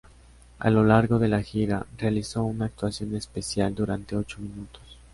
A lo largo de la gira, realizó una actuación especial durante ocho minutos.